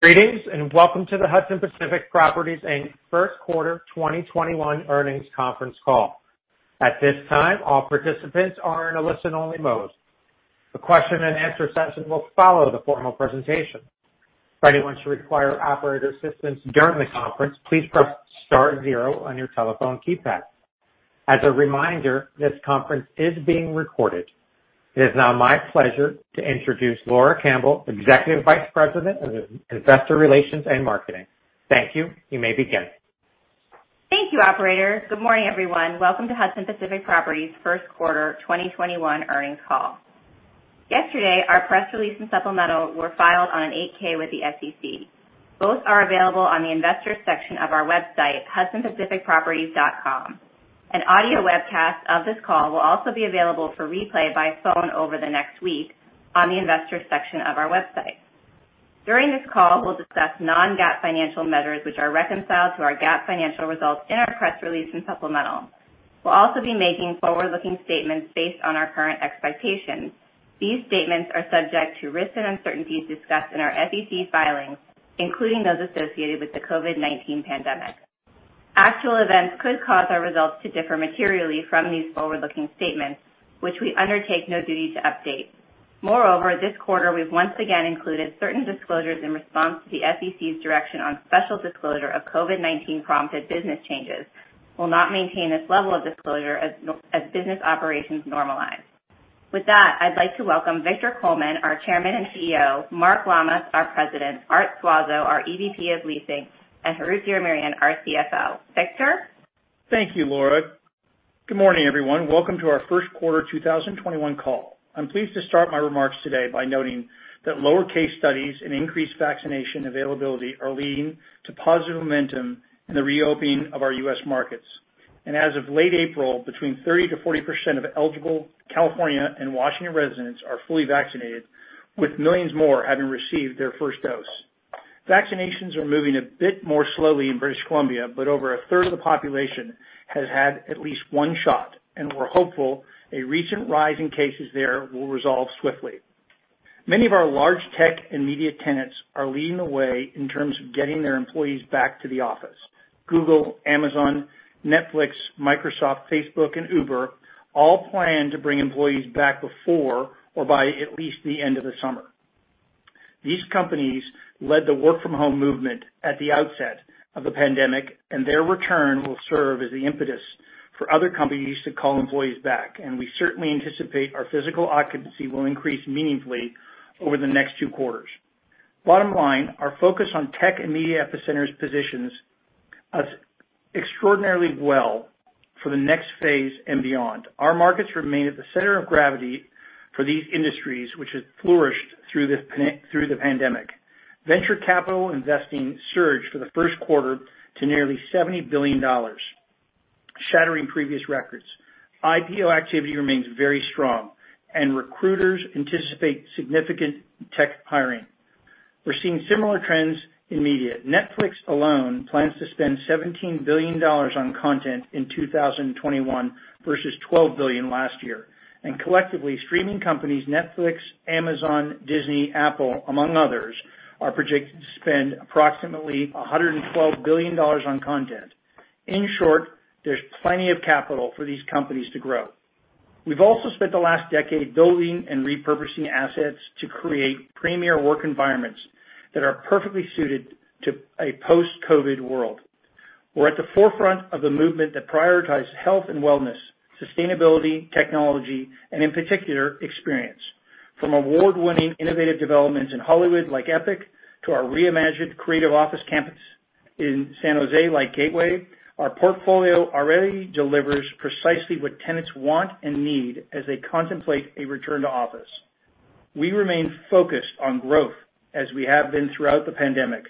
Greetings, and welcome to the Hudson Pacific Properties, Inc. First Quarter 2021 Earnings Conference Call. At this time, all participants are in a listen-only mode. A question and answer session will follow the formal presentation. If anyone should require operator assistance during the conference, please press star zero on your telephone keypad. As a reminder, this conference is being recorded. It is now my pleasure to introduce Laura Campbell, Executive Vice President of Investor Relations and Marketing. Thank you. You may begin. Thank you, operator. Good morning, everyone. Welcome to Hudson Pacific Properties' first quarter 2021 earnings call. Yesterday, our press release and supplemental were filed on an 8-K with the SEC. Both are available on the investors section of our website, hudsonpacificproperties.com. An audio webcast of this call will also be available for replay by phone over the next week on the investors section of our website. During this call, we'll discuss non-GAAP financial measures which are reconciled to our GAAP financial results in our press release and supplemental. We'll also be making forward-looking statements based on our current expectations. These statements are subject to risks and uncertainties discussed in our SEC filings, including those associated with the COVID-19 pandemic. Actual events could cause our results to differ materially from these forward-looking statements, which we undertake no duty to update. Moreover, this quarter, we've once again included certain disclosures in response to the SEC's direction on special disclosure of COVID-19 prompted business changes. We'll not maintain this level of disclosure as business operations normalize. With that, I'd like to welcome Victor Coleman, our Chairman and CEO, Mark Lammas, our President, Art Suazo, our EVP of Leasing, and Harout Diramerian, our CFO. Victor? Thank you, Laura. Good morning, everyone. Welcome to our first quarter 2021 call. I'm pleased to start my remarks today by noting that lower case studies and increased vaccination availability are leading to positive momentum in the reopening of our U.S. markets. As of late April, between 30%-40% of eligible California and Washington residents are fully vaccinated, with millions more having received their first dose. Vaccinations are moving a bit more slowly in British Columbia, but over a third of the population has had at least one shot, and we're hopeful a recent rise in cases there will resolve swiftly. Many of our large tech and media tenants are leading the way in terms of getting their employees back to the office. Google, Amazon, Netflix, Microsoft, Facebook, and Uber all plan to bring employees back before or by at least the end of the summer. These companies led the work from home movement at the outset of the pandemic, and their return will serve as the impetus for other companies to call employees back, and we certainly anticipate our physical occupancy will increase meaningfully over the next two quarters. Bottom line, our focus on tech and media epicenters positions us extraordinarily well for the next phase and beyond. Our markets remain at the center of gravity for these industries, which have flourished through the pandemic. Venture capital investing surged for the first quarter to nearly $70 billion, shattering previous records. IPO activity remains very strong, and recruiters anticipate significant tech hiring. We're seeing similar trends in media. Netflix alone plans to spend $17 billion on content in 2021 versus $12 billion last year. Collectively, streaming companies Netflix, Amazon, Disney, Apple, among others, are projected to spend approximately $112 billion on content. In short, there's plenty of capital for these companies to grow. We've also spent the last decade building and repurposing assets to create premier work environments that are perfectly suited to a post-COVID world. We're at the forefront of the movement that prioritizes health and wellness, sustainability, technology, and in particular, experience. From award-winning innovative developments in Hollywood like EPIC to our reimagined creative office campus in San Jose like Gateway, our portfolio already delivers precisely what tenants want and need as they contemplate a return to office. We remain focused on growth as we have been throughout the pandemic.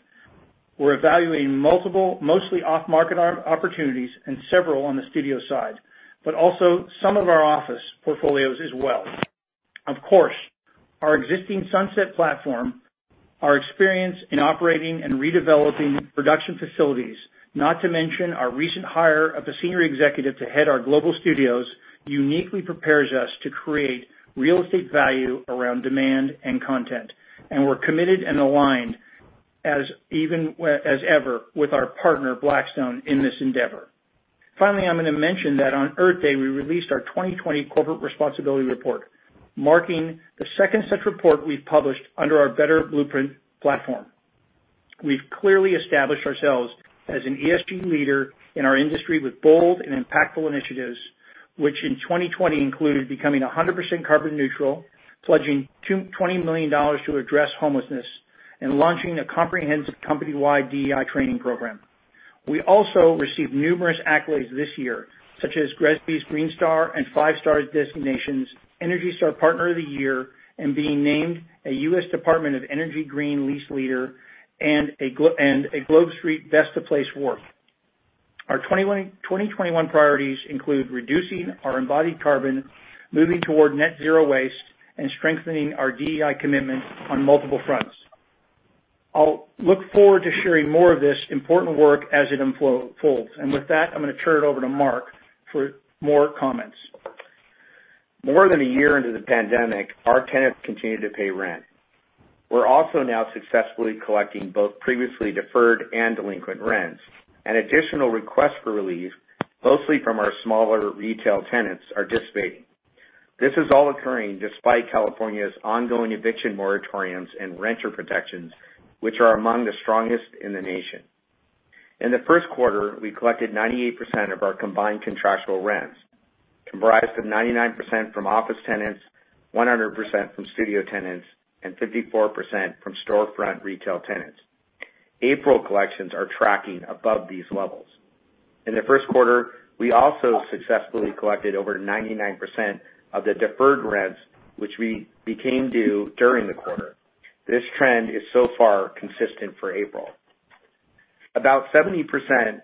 We're evaluating multiple, mostly off-market opportunities and several on the studio side, but also some of our office portfolios as well. Of course, our existing Sunset platform, our experience in operating and redeveloping production facilities, not to mention our recent hire of a senior executive to head our global studios, uniquely prepares us to create real estate value around demand and content. We're committed and aligned as ever with our partner, Blackstone, in this endeavor. Finally, I'm going to mention that on Earth Day, we released our 2020 corporate responsibility report, marking the second such report we've published under our Better Blueprint platform. We've clearly established ourselves as an ESG leader in our industry with bold and impactful initiatives, which in 2020 included becoming 100% carbon neutral, pledging $20 million to address homelessness, and launching a comprehensive company-wide DEI training program. We also received numerous accolades this year, such as GRESB's Green Star and Five Star designations, ENERGY STAR Partner of the Year, and being named a U.S. Department of Energy Green Lease Leader, and a GlobeSt Best Place to Work. Our 2021 priorities include reducing our embodied carbon, moving toward net zero waste, and strengthening our DEI commitment on multiple fronts. I'll look forward to sharing more of this important work as it unfolds. With that, I'm going to turn it over to Mark for more comments. More than a year into the pandemic, our tenants continue to pay rent. We're also now successfully collecting both previously deferred and delinquent rents. Additional requests for relief, mostly from our smaller retail tenants, are dissipating. This is all occurring despite California's ongoing eviction moratoriums and renter protections, which are among the strongest in the nation. In the first quarter, we collected 98% of our combined contractual rents, comprised of 99% from office tenants, 100% from studio tenants, and 54% from storefront retail tenants. April collections are tracking above these levels. In the first quarter, we also successfully collected over 99% of the deferred rents, which became due during the quarter. This trend is so far consistent for April. About 70%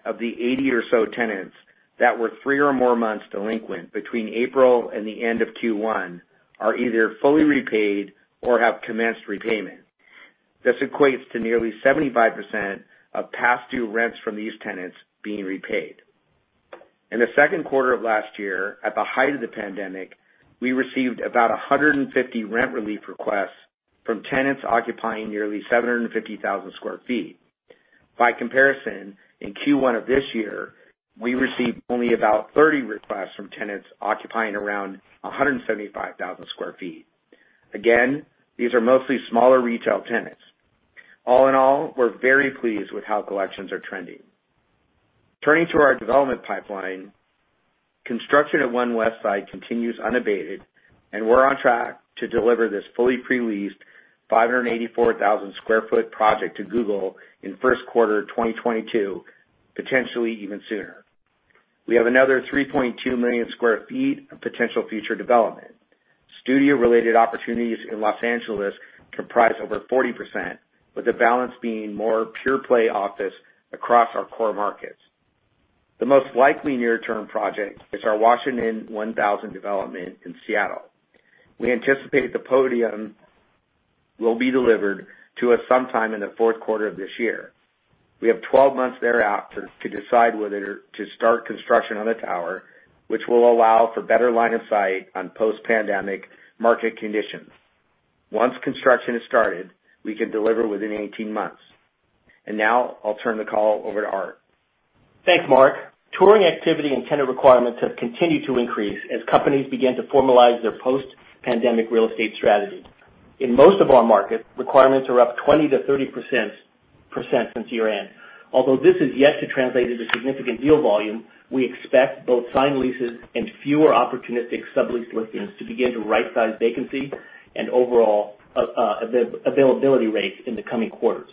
of the 80 or so tenants that were three or more months delinquent between April and the end of Q1 are either fully repaid or have commenced repayment. This equates to nearly 75% of past due rents from these tenants being repaid. In the second quarter of last year, at the height of the pandemic, we received about 150 rent relief requests from tenants occupying nearly 750,000 sq ft. By comparison, in Q1 of this year, we received only about 30 requests from tenants occupying around 175,000 sq ft. Again, these are mostly smaller retail tenants. We're very pleased with how collections are trending. Turning to our development pipeline, construction at One Westside continues unabated, and we're on track to deliver this fully pre-leased 584,000 sq ft project to Google in the first quarter of 2022, potentially even sooner. We have another 3.2 million square feet of potential future development. Studio-related opportunities in L.A. comprise over 40%, with the balance being more pure play office across our core markets. The most likely near-term project is our Washington 1000 development in Seattle. We anticipate the podium will be delivered to us sometime in the fourth quarter of this year. We have 12 months thereafter to decide whether to start construction on the tower, which will allow for better line of sight on post-pandemic market conditions. Once construction is started, we can deliver within 18 months. Now I'll turn the call over to Art. Thanks, Mark. Touring activity and tenant requirements have continued to increase as companies begin to formalize their post-pandemic real estate strategies. In most of our markets, requirements are up 20%-30% since year-end. This is yet to translate into significant deal volume, we expect both signed leases and fewer opportunistic sublease listings to begin to right-size vacancy and overall availability rates in the coming quarters.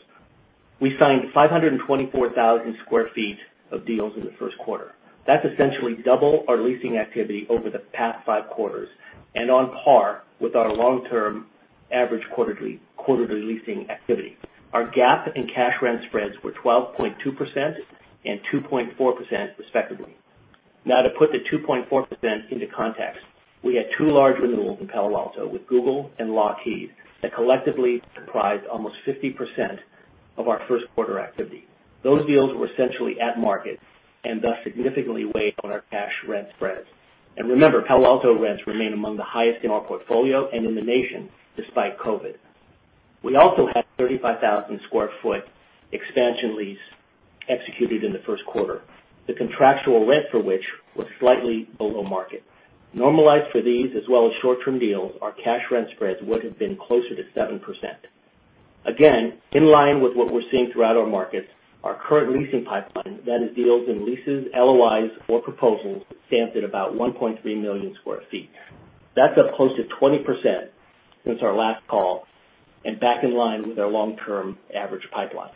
We signed 524,000 sq ft of deals in the first quarter. That's essentially double our leasing activity over the past five quarters and on par with our long-term average quarterly leasing activity. Our GAAP and cash rent spreads were 12.2% and 2.4% respectively. To put the 2.4% into context, we had two large renewals in Palo Alto with Google and Lockheed that collectively comprised almost 50% of our first quarter activity. Those deals were essentially at market and thus significantly weighed on our cash rent spreads. Remember, Palo Alto rents remain among the highest in our portfolio and in the nation despite COVID. We also had a 35,000 sq ft expansion lease executed in the first quarter, the contractual rent for which was slightly below market. Normalized for these as well as short-term deals, our cash rent spreads would have been closer to 7%. Again, in line with what we're seeing throughout our markets, our current leasing pipeline, that is deals in leases, LOIs, or proposals, stands at about 1.3 million square feet. That's up close to 20% since our last call and back in line with our long-term average pipeline.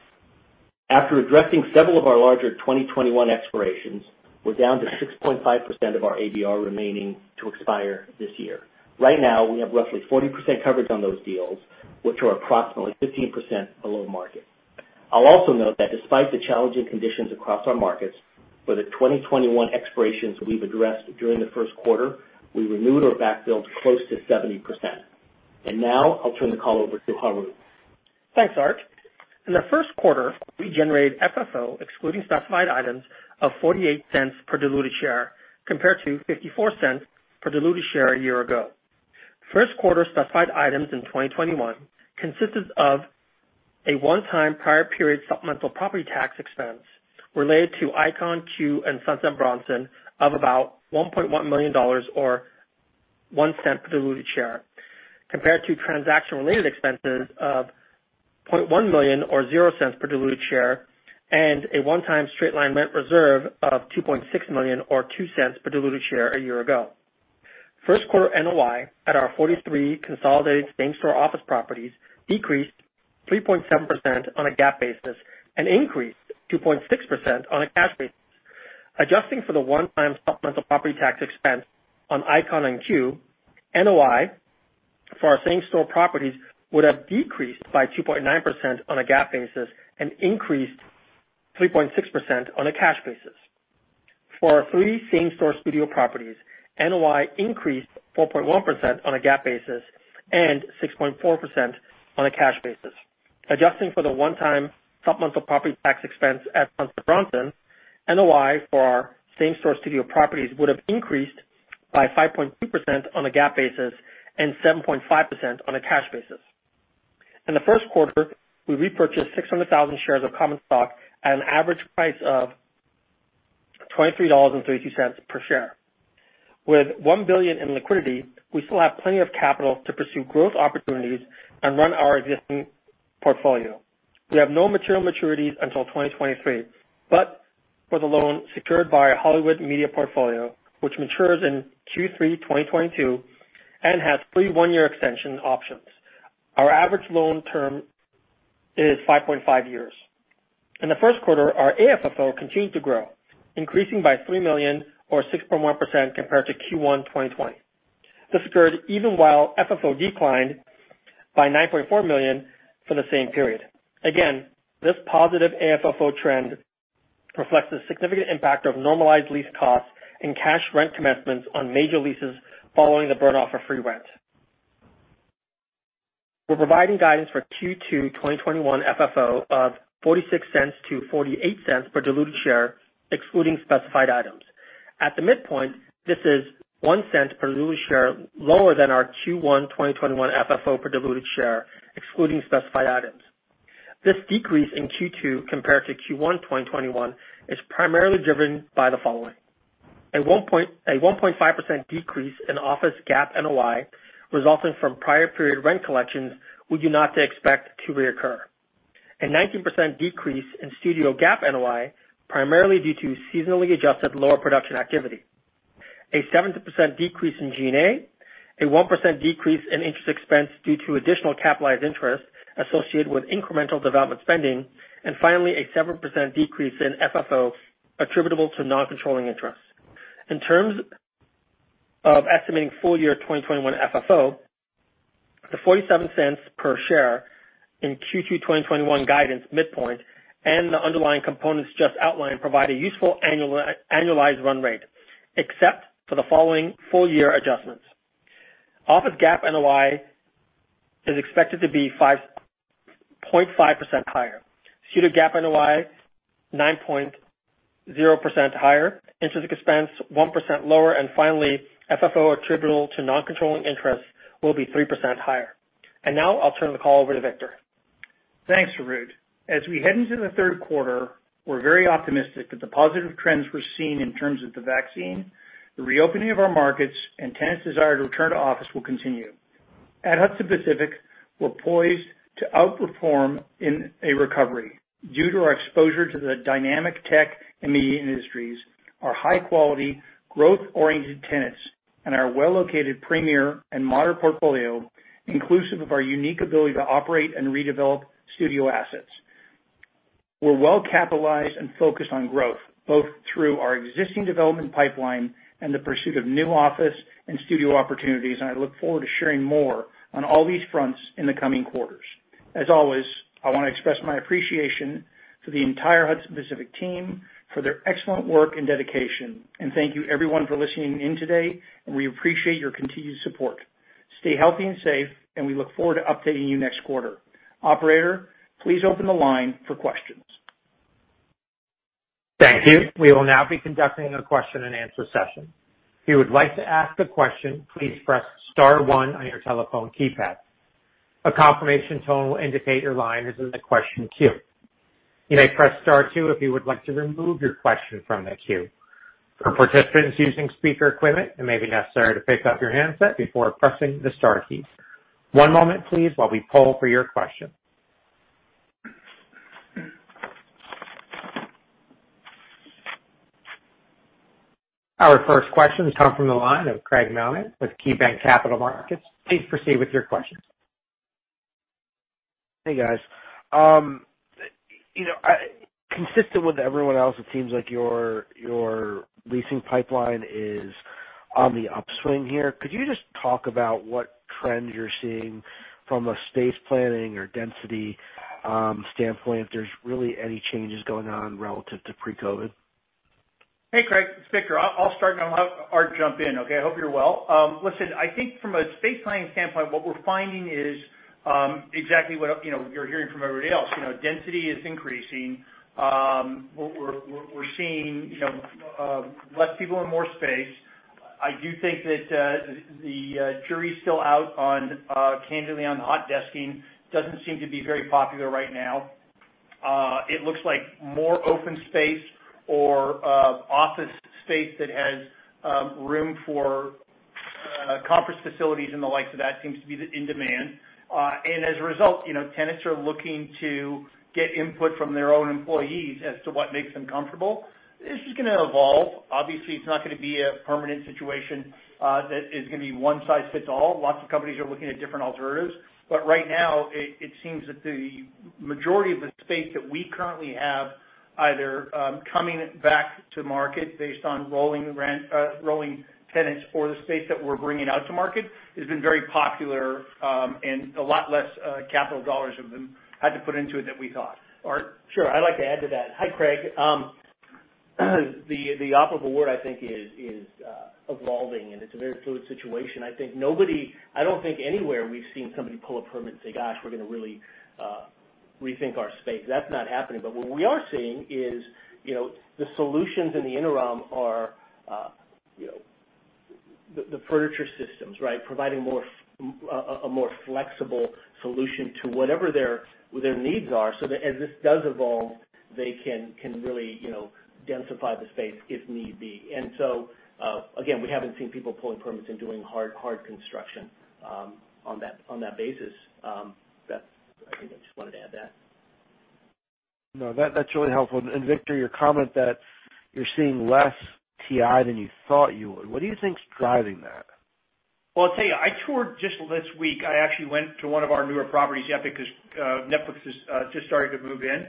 After addressing several of our larger 2021 expirations, we're down to 6.5% of our ADR remaining to expire this year. Right now, we have roughly 40% coverage on those deals, which are approximately 15% below market. I'll also note that despite the challenging conditions across our markets, for the 2021 expirations we've addressed during the first quarter, we renewed or backfilled close to 70%. Now I'll turn the call over to Harout. Thanks, Art. In the first quarter, we generated FFO excluding specified items of $0.48 per diluted share, compared to $0.54 per diluted share a year ago. First quarter specified items in 2021 consisted of a one-time prior period supplemental property tax expense related to Icon, CUE, and Sunset Bronson of about $1.1 million or $0.01 per diluted share, compared to transaction-related expenses of $0.1 million or $0.00 per diluted share and a one-time straight-line rent reserve of $2.6 million or $0.02 per diluted share a year ago. First quarter NOI at our 43 consolidated same-store office properties decreased 3.7% on a GAAP basis and increased 2.6% on a cash basis. Adjusting for the one-time supplemental property tax expense on Icon and CUE, NOI for our same-store properties would have decreased by 2.9% on a GAAP basis and increased 3.6% on a cash basis. For our three same-store studio properties, NOI increased 4.1% on a GAAP basis and 6.4% on a cash basis. Adjusting for the one-time supplemental property tax expense at Sunset Bronson, NOI for our same-store studio properties would have increased by 5.2% on a GAAP basis and 7.5% on a cash basis. In the first quarter, we repurchased 600,000 shares of common stock at an average price of $23.32 per share. With $1 billion in liquidity, we still have plenty of capital to pursue growth opportunities and run our existing portfolio. We have no material maturities until 2023, but for the loan secured by our Hollywood media portfolio, which matures in Q3 2022 and has three one-year extension options. Our average loan term is 5.5 years. In the first quarter, our AFFO continued to grow, increasing by $3 million or 6.1% compared to Q1 2020. This occurred even while FFO declined by $9.4 million for the same period. This positive AFFO trend reflects the significant impact of normalized lease costs and cash rent commencements on major leases following the burn-off of free rent. We are providing guidance for Q2 2021 FFO of $0.46 to $0.48 per diluted share, excluding specified items. At the midpoint, this is $0.01 per diluted share lower than our Q1 2021 FFO per diluted share, excluding specified items. This decrease in Q2 compared to Q1 2021 is primarily driven by the following. A 1.5% decrease in office GAAP NOI resulting from prior period rent collections we do not expect to reoccur. A 19% decrease in studio GAAP NOI, primarily due to seasonally adjusted lower production activity. A 7% decrease in G&A, a 1% decrease in interest expense due to additional capitalized interest associated with incremental development spending. Finally, a 7% decrease in FFO attributable to non-controlling interest. In terms of estimating full year 2021 FFO, the $0.47 per share in Q2 2021 guidance midpoint and the underlying components just outlined provide a useful annualized run rate, except for the following full year adjustments. Office GAAP NOI is expected to be 5.5% higher. Studio GAAP NOI, 9.0% higher. Interest expense, 1% lower. And finally, FFO attributable to non-controlling interest will be 3% higher. Now I'll turn the call over to Victor. Thanks, Harout. As we head into the third quarter, we're very optimistic that the positive trends we're seeing in terms of the vaccine, the reopening of our markets, and tenants' desire to return to office will continue. At Hudson Pacific, we're poised to outperform in a recovery due to our exposure to the dynamic tech and media industries, our high-quality, growth-oriented tenants, and our well-located premier and modern portfolio, inclusive of our unique ability to operate and redevelop studio assets. We're well-capitalized and focused on growth, both through our existing development pipeline and the pursuit of new office and studio opportunities. I look forward to sharing more on all these fronts in the coming quarters. As always, I want to express my appreciation for the entire Hudson Pacific team for their excellent work and dedication. Thank you everyone for listening in today, and we appreciate your continued support. Stay healthy and safe. We look forward to updating you next quarter. Operator, please open the line for questions. Thank you. We will now be conducting a question and answer session. If you would like to ask a question, please press star one on your telephone keypad. A confirmation tone will indicate your line is in the question queue. You may press star two if you would like to remove your question from the queue. For participants using speaker equipment, it may be necessary to pick up your handset before pressing the star keys. One moment please while we poll for your question. Our first question comes from the line of Craig Mailman with KeyBanc Capital Markets. Please proceed with your question. Hey guys. Consistent with everyone else, it seems like your leasing pipeline is on the upswing here. Could you just talk about what trends you're seeing from a space planning or density standpoint, if there's really any changes going on relative to pre-COVID-19? Hey, Craig, it's Victor. I'll start and I'll have Art jump in, okay? I hope you're well. Listen, I think from a space planning standpoint, what we're finding is exactly what you're hearing from everybody else. Density is increasing. We're seeing less people in more space. I do think that the jury's still out on, candidly on hot desking. Doesn't seem to be very popular right now. It looks like more open space or office space that has room for conference facilities and the likes of that seems to be in demand. As a result, tenants are looking to get input from their own employees as to what makes them comfortable. This is going to evolve. Obviously, it's not going to be a permanent situation that is going to be one size fits all. Lots of companies are looking at different alternatives. Right now it seems that the majority of the space that we currently have either coming back to market based on rolling tenants or the space that we're bringing out to market has been very popular, and a lot less capital dollars have been had to put into it than we thought. Art? Sure. I'd like to add to that. Hi, Craig. The operable word I think is evolving. It's a very fluid situation. I don't think anywhere we've seen somebody pull a permit and say, "Gosh, we're going to really rethink our space." That's not happening. What we are seeing is the solutions in the interim are the furniture systems, right? Providing a more flexible solution to whatever their needs are, so that as this does evolve, they can really densify the space if need be. Again, we haven't seen people pulling permits and doing hard construction on that basis. I think I just wanted to add that. No, that's really helpful. Victor, your comment that you're seeing less TI than you thought you would. What do you think's driving that? Well, I'll tell you, I toured just this week. I actually went to one of our newer properties, EPIC, because Netflix has just started to move in.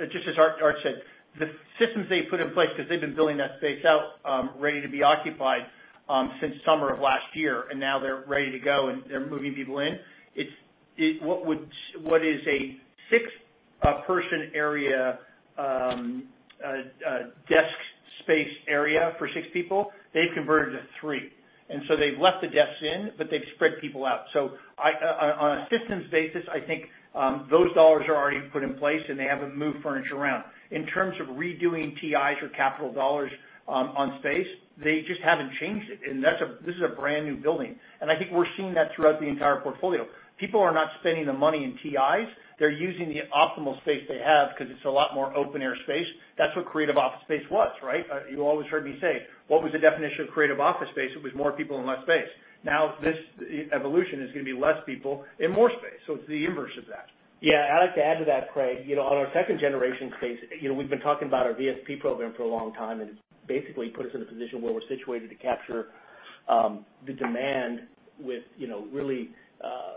Just as Art said, the systems they put in place, because they've been building that space out ready to be occupied since summer of last year, and now they're ready to go and they're moving people in. What is a six-person area, desk space area for six people, they've converted to three. They've left the desks in, but they've spread people out. On a systems basis, I think those dollars are already put in place, and they haven't moved furniture around. In terms of redoing TIs or capital dollars on space, they just haven't changed it, and this is a brand-new building. I think we're seeing that throughout the entire portfolio. People are not spending the money in TIs. They're using the optimal space they have because it's a lot more open-air space. That's what creative office space was, right? You always heard me say, what was the definition of creative office space? It was more people in less space. This evolution is going to be less people in more space. It's the inverse of that. Yeah. I'd like to add to that, Craig. On our second-generation space, we've been talking about our VSP program for a long time, it basically put us in a position where we're situated to capture the demand with really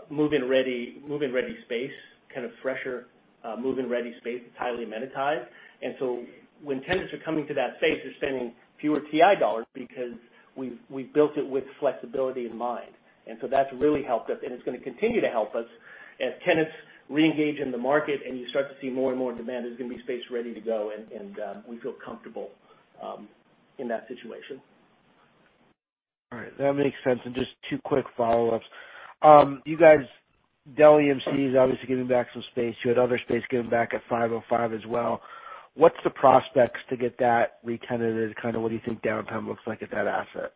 move-in-ready space, kind of fresher, move-in-ready space that's highly amenitized. When tenants are coming to that space, they're spending fewer TI dollars because we've built it with flexibility in mind. That's really helped us, and it's going to continue to help us as tenants reengage in the market and you start to see more and more demand. There's going to be space ready to go, and we feel comfortable in that situation. All right. That makes sense. Just two quick follow-ups. You guys, Dell EMC is obviously giving back some space. You had other space given back at 505 as well. What's the prospects to get that re-tenanted? Kind of what do you think downtime looks like at that asset?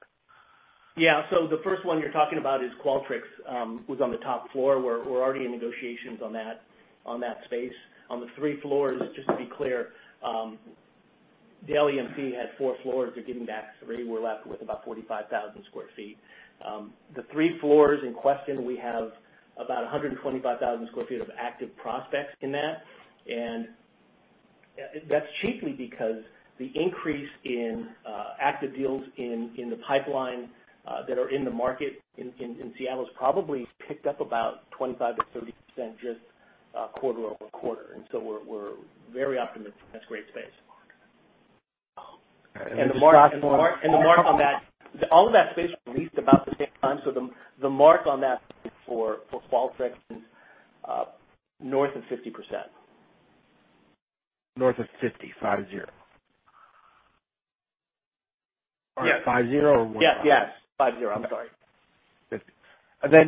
The first one you're talking about is Qualtrics, was on the top floor. We're already in negotiations on that space. On the three floors, just to be clear, Dell EMC had four floors. They're giving back three. We're left with about 45,000 sq ft. The three floors in question, we have about 125,000 sq ft of active prospects in that's chiefly because the increase in active deals in the pipeline that are in the market in Seattle has probably picked up about 25%-30% just quarter-over-quarter. We're very optimistic on that grade space. All right. The mark on that, all of that space was leased about the same time, so the mark on that space for Qualtrics is north of 50%. North of 50%? 50%? Yes. All right. 50%, or 15%? Yes. 50%. I'm sorry.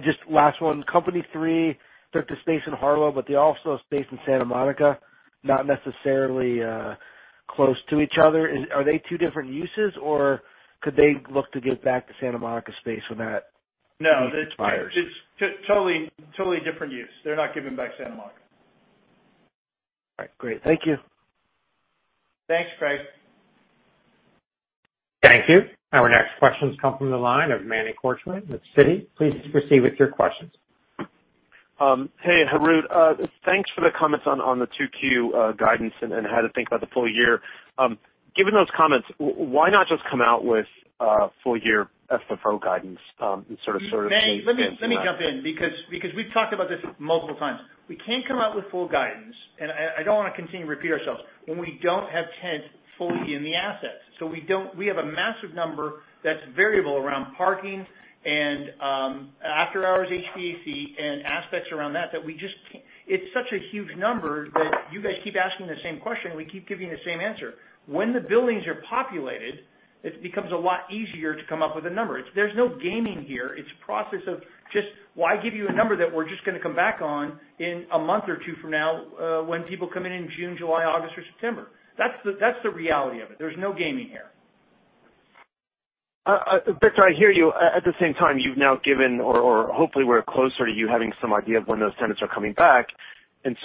Just last one. Company 3 took the space in Harlow. They also have space in Santa Monica, not necessarily close to each other. Are they two different uses? Could they look to give back the Santa Monica space when that lease expires? No, it's totally different use. They're not giving back Santa Monica. All right. Great. Thank you. Thanks, Craig. Thank you. Our next questions come from the line of Manny Korchman with Citi. Please proceed with your questions. Hey, Harout. Thanks for the comments on the 2Q guidance and how to think about the full year. Given those comments, why not just come out with full-year FFO guidance? Manny, let me jump in, because we've talked about this multiple times. We can't come out with full guidance, and I don't want to continue to repeat ourselves, when we don't have tenants fully in the assets. We have a massive number that's variable around parking and after-hours HVAC and aspects around that. It's such a huge number that you guys keep asking the same question, we keep giving the same answer. When the buildings are populated, it becomes a lot easier to come up with a number. There's no gaming here. It's a process of just why give you a number that we're just going to come back on in a month or two from now when people come in in June, July, August, or September? That's the reality of it. There's no gaming here. Victor, I hear you. At the same time, you've now given or hopefully we're closer to you having some idea of when those tenants are coming back.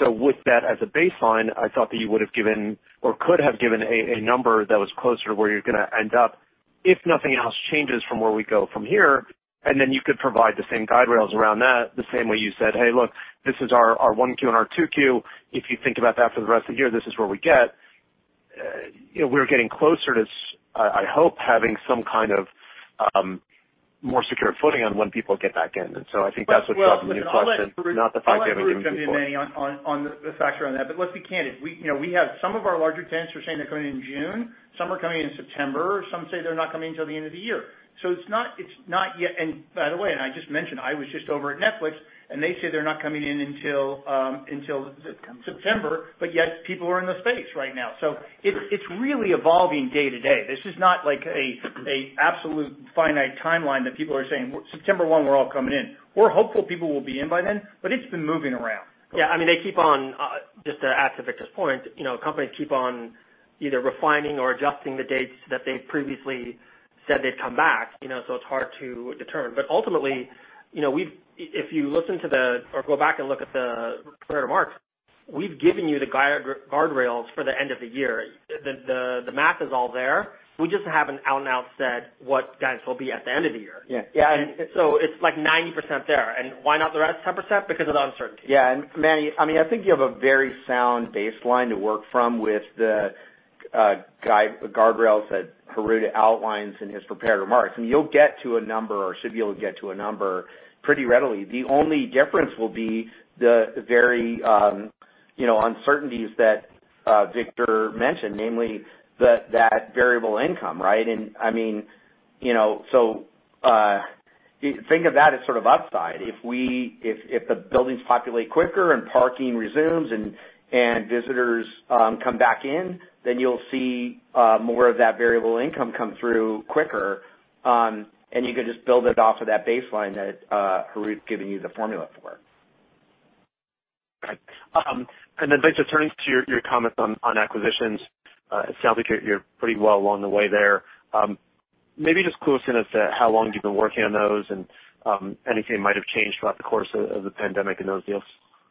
With that as a baseline, I thought that you would have given or could have given a number that was closer to where you're going to end up if nothing else changes from where we go from here, and then you could provide the same guardrails around that the same way you said, "Hey, look, this is our 1Q and our 2Q. If you think about that for the rest of the year, this is where we get." We're getting closer to, I hope, having some kind of more secure footing on when people get back in. I think that's what drove the new question. Well, listen. Not the fact that we haven't given it before. I'll let Harout jump in, Manny, on the factor on that. Let's be candid. Some of our larger tenants are saying they're coming in June. Some are coming in September. Some say they're not coming until the end of the year. It's not yet. By the way, I just mentioned, I was just over at Netflix, and they say they're not coming in. September. September, but yet people are in the space right now. It's really evolving day to day. This is not like a absolute finite timeline that people are saying, "September 1, we're all coming in." We're hopeful people will be in by then, but it's been moving around. Yeah. I mean, they keep on, just to add to Victor's point, companies keep on either refining or adjusting the dates that they previously said they'd come back. It's hard to determine. Ultimately, if you listen to or go back and look at the prepared remarks, we've given you the guardrails for the end of the year. The math is all there. We just haven't out and out said what guidance will be at the end of the year. Yeah. It's like 90% there. Why not the rest 10%? Because of the uncertainty. Yeah. Manny, I think you have a very sound baseline to work from with the guardrails that Harout outlines in his prepared remarks, and you'll get to a number, or should be able to get to a number pretty readily. The only difference will be the very uncertainties that Victor mentioned, namely that variable income, right? Think of that as sort of upside. If the buildings populate quicker and parking resumes and visitors come back in, then you'll see more of that variable income come through quicker, and you can just build it off of that baseline that Harout's giving you the formula for. Okay. Victor, turning to your comments on acquisitions. It sounds like you're pretty well along the way there. Maybe just clue us in as to how long you've been working on those and anything might have changed throughout the course of the pandemic in those deals.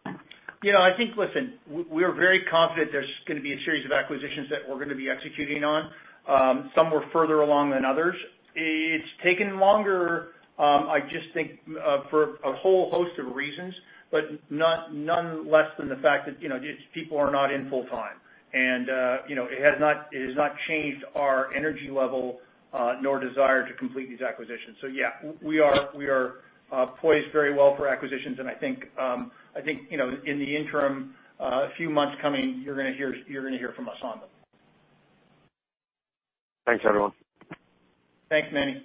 I think, listen, we are very confident there's going to be a series of acquisitions that we're going to be executing on. Some were further along than others. It's taken longer, I just think for a whole host of reasons, but none less than the fact that people are not in full time. It has not changed our energy level, nor desire to complete these acquisitions. Yeah, we are poised very well for acquisitions, and I think in the interim, a few months coming, you're going to hear from us on them. Thanks, everyone. Thanks, Manny.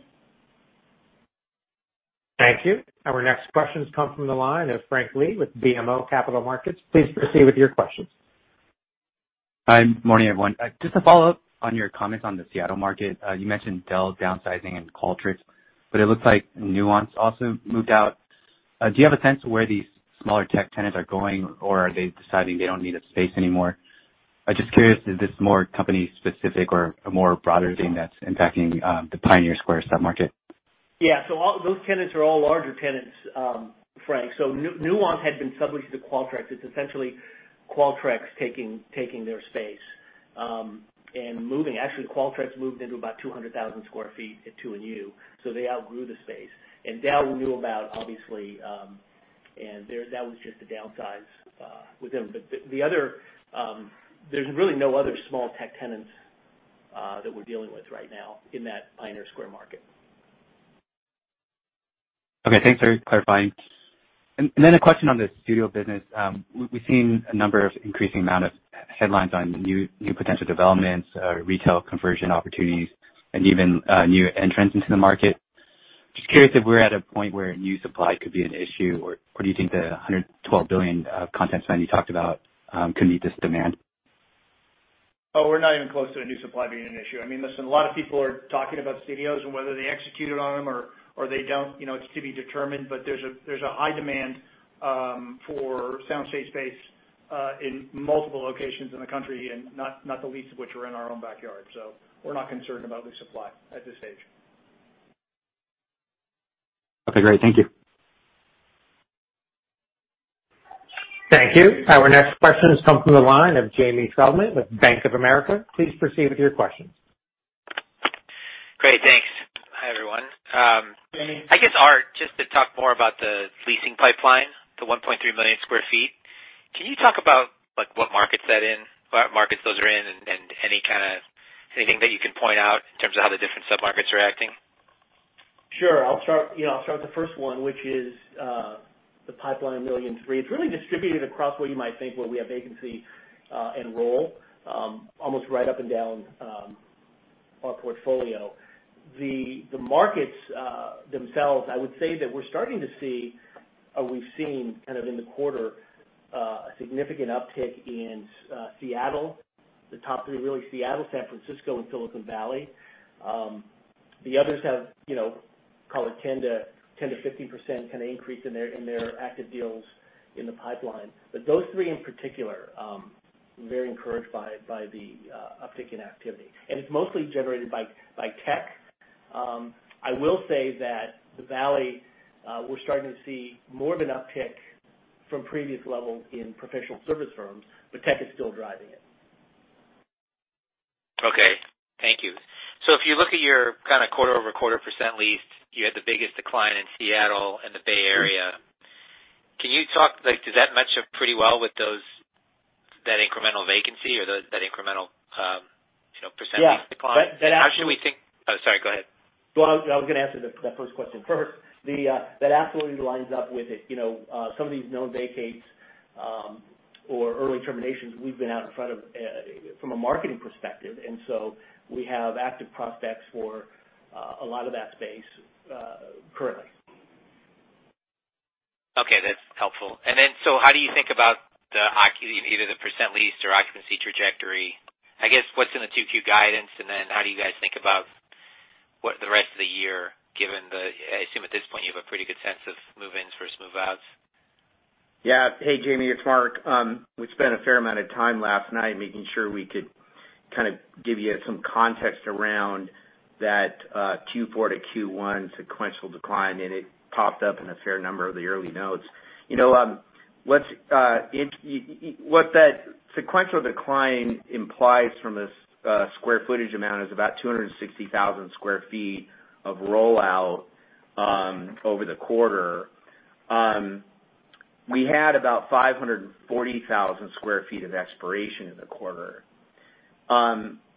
Thank you. Our next questions come from the line of Frank Lee with BMO Capital Markets. Please proceed with your questions. Hi, morning, everyone. Just to follow up on your comments on the Seattle market. You mentioned Dell downsizing and Qualtrics, but it looks like Nuance also moved out. Do you have a sense of where these smaller tech tenants are going, or are they deciding they don't need a space anymore? I'm just curious, is this more company specific or a more broader thing that's impacting the Pioneer Square sub-market? Yeah. Those tenants are all larger tenants, Frank. Nuance had been subleased to Qualtrics. It's essentially Qualtrics taking their space. Moving, actually, Qualtrics moved into about 200,000 sq ft at 2+U, so they outgrew the space. Dell we knew about, obviously, and that was just a downsize with them. There's really no other small tech tenants that we're dealing with right now in that Pioneer Square market. Okay. Thanks for clarifying. A question on the studio business. We've seen a number of increasing amount of headlines on new potential developments, retail conversion opportunities, and even new entrants into the market. Just curious if we're at a point where new supply could be an issue, or do you think the $112 billion of content spend you talked about could meet this demand? Oh, we're not even close to a new supply being an issue. I mean, listen, a lot of people are talking about studios and whether they executed on them or they don't. It's to be determined, but there's a high demand for sound stage space in multiple locations in the country, and not the least of which are in our own backyard. We're not concerned about new supply at this stage. Okay, great. Thank you. Thank you. Our next questions come from the line of Jamie Feldman with Bank of America. Please proceed with your questions. Great, thanks. Hi, everyone. Jamie. I guess, Art, just to talk more about the leasing pipeline, the 1.3 million square feet. Can you talk about what markets those are in, and anything that you can point out in terms of how the different sub-markets are acting? Sure. I'll start with the first one, which is the pipeline $1.3 million. It's really distributed across what you might think, where we have vacancy and roll almost right up and down our portfolio. The markets themselves, I would say that we're starting to see, or we've seen kind of in the quarter, a significant uptick in Seattle. The top three, really, Seattle, San Francisco, and Silicon Valley. The others have call it 10%-15% kind of increase in their active deals in the pipeline. Those three in particular, very encouraged by the uptick in activity. It's mostly generated by tech. I will say that the Valley, we're starting to see more of an uptick from previous levels in professional service firms, but tech is still driving it. Okay. Thank you. If you look at your kind of quarter-over-quarter percent leased, you had the biggest decline in Seattle and the Bay Area. Does that match up pretty well with that incremental vacancy or that incremental percent lease decline? Yeah. How should we think. Oh, sorry. Go ahead. Well, I was going to answer that first question first. That absolutely lines up with it. Some of these known vacates or early terminations we've been out in front of from a marketing perspective. We have active prospects for a lot of that space currently. Okay, that's helpful. How do you think about either the percent leased or occupancy trajectory? I guess what's in the 2Q guidance, and then how do you guys think about what the rest of the year given I assume at this point you have a pretty good sense of move-ins versus move-outs. Yeah. Hey, Jamie, it's Mark. We spent a fair amount of time last night making sure we could give you some context around that Q4 to Q1 sequential decline. It popped up in a fair number of the early notes. What that sequential decline implies from a square footage amount is about 260,000 sq ft of rollout over the quarter. We had about 540,000 sq ft of expiration in the quarter.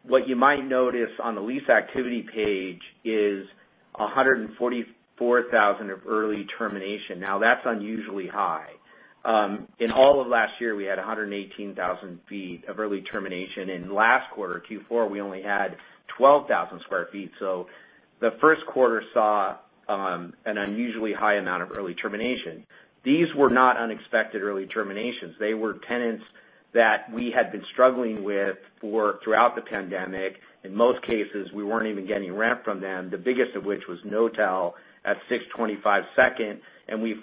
What you might notice on the lease activity page is 144,000 of early termination. Now, that's unusually high. In all of last year, we had 118,000 ft of early termination. In last quarter, Q4, we only had 12,000 sq ft. The first quarter saw an unusually high amount of early termination. These were not unexpected early terminations. They were tenants that we had been struggling with for throughout the pandemic. In most cases, we weren't even getting rent from them, the biggest of which was Knotel at 625 Second, and we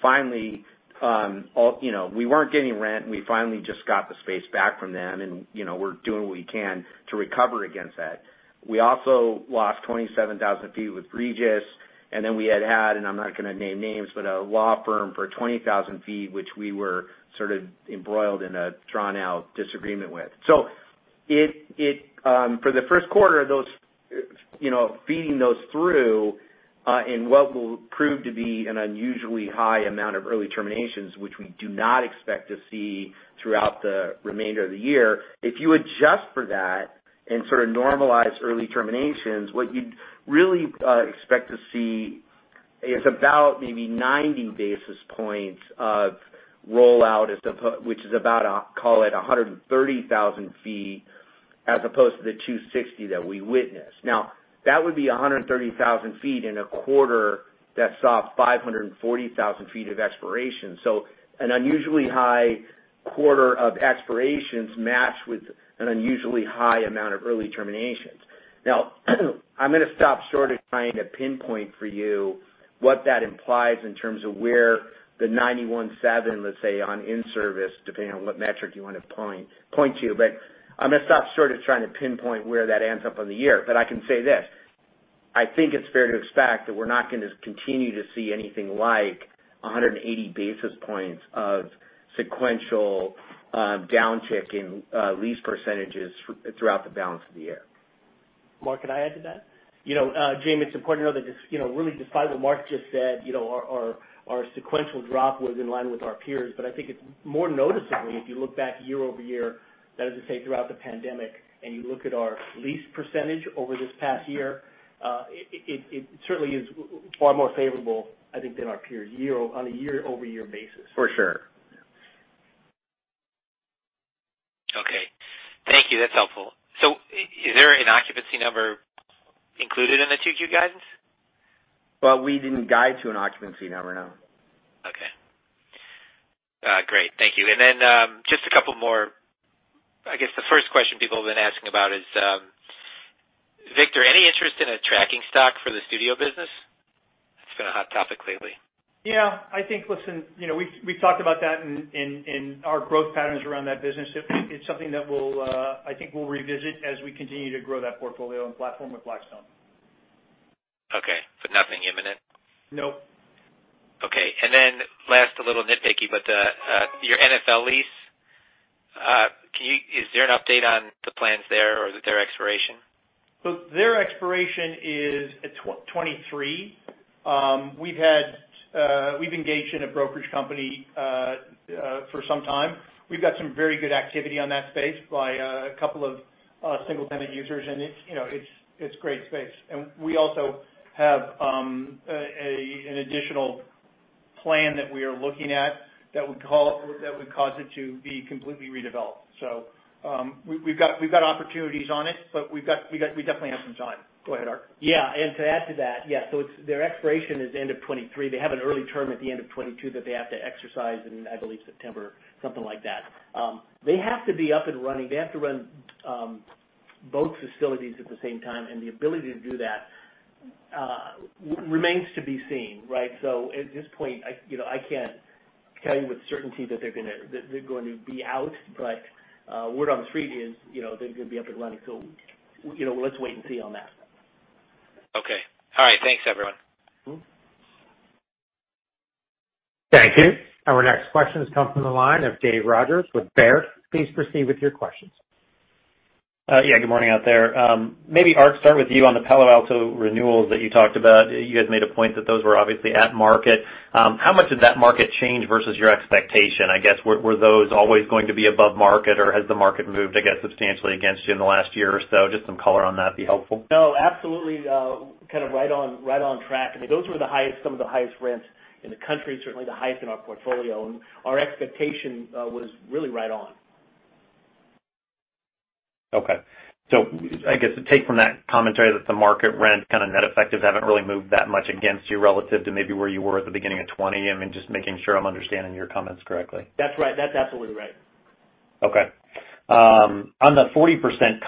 weren't getting rent, and we finally just got the space back from them, and we're doing what we can to recover against that. We also lost 27,000 sq ft with Regus, and then we had had, and I'm not going to name names, but a law firm for 20,000 sq ft, which we were sort of embroiled in a drawn-out disagreement with. For the first quarter, feeding those through in what will prove to be an unusually high amount of early terminations, which we do not expect to see throughout the remainder of the year. If you adjust for that and sort of normalize early terminations, what you'd really expect to see is about maybe 90 basis points of rollout, which is about, call it 130,000 ft, as opposed to the 260,000 ft that we witnessed. That would be 130,000 ft in a quarter that saw 540,000 ft of expiration. An unusually high quarter of expirations matched with an unusually high amount of early terminations. I'm going to stop short of trying to pinpoint for you what that implies in terms of where the 91.7, let's say, on in-service, depending on what metric you want to point to. I'm going to stop short of trying to pinpoint where that ends up on the year. I can say this. I think it's fair to expect that we're not going to continue to see anything like 180 basis points of sequential down tick in lease percentages throughout the balance of the year. Mark, could I add to that? Jamie, it's important to know that really despite what Mark just said, our sequential drop was in line with our peers. I think it's more noticeable if you look back year-over-year. That is to say, throughout the pandemic, you look at our lease percentage over this past year, it certainly is far more favorable, I think, than our peer on a year-over-year basis. For sure. Okay. Thank you. That's helpful. Is there an occupancy number included in the 2Q guidance? Well, we didn't guide to an occupancy number, no. Okay. Great. Thank you. Just a couple more. I guess the first question people have been asking about is, Victor, any interest in a tracking stock for the studio business? It's been a hot topic lately. Yeah. I think, listen, we've talked about that in our growth patterns around that business. It's something that I think we'll revisit as we continue to grow that portfolio and platform with Blackstone. Okay. Nothing imminent? No. Okay. Last, a little nitpicky, but your NFL lease, is there an update on the plans there or their expiration? Their expiration is at 2023. We've engaged in a brokerage company for some time. We've got some very good activity on that space by a couple of single-tenant users, and it's great space. We also have an additional plan that we are looking at that would cause it to be completely redeveloped. We've got opportunities on it, but we definitely have some time. Go ahead, Art. Yeah. To add to that, yeah. Their expiration is end of 2023. They have an early term at the end of 2022 that they have to exercise in, I believe, September, something like that. They have to be up and running. They have to run both facilities at the same time, and the ability to do that remains to be seen, right? At this point, I can't tell you with certainty that they're going to be out, but word on the street is they're going to be up and running. Let's wait and see on that. Okay. All right. Thanks, everyone. Thank you. Our next question has come from the line of Dave Rodgers with Baird. Please proceed with your questions. Yeah. Good morning out there. Maybe Art, start with you on the Palo Alto renewals that you talked about. You guys made a point that those were obviously at market. How much did that market change versus your expectation? I guess, were those always going to be above market, or has the market moved, I guess, substantially against you in the last year or so? Just some color on that would be helpful. No, absolutely kind of right on track. I mean, those were some of the highest rents in the country, certainly the highest in our portfolio, and our expectation was really right on. I guess the take from that commentary that the market rent kind of net effective haven't really moved that much against you relative to maybe where you were at the beginning of 2020. Just making sure I'm understanding your comments correctly. That's right. That's absolutely right. Okay. On the 40%